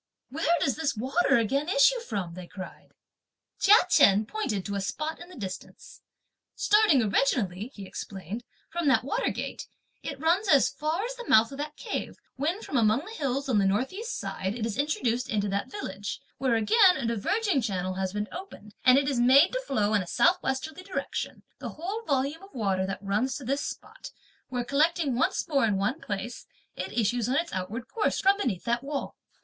"Where does this water again issue from?" they cried. Chia Chen pointed to a spot at a distance. "Starting originally," he explained, "from that water gate, it runs as far as the mouth of that cave, when from among the hills on the north east side, it is introduced into that village, where again a diverging channel has been opened and it is made to flow in a south westerly direction; the whole volume of water then runs to this spot, where collecting once more in one place, it issues, on its outward course, from beneath that wall."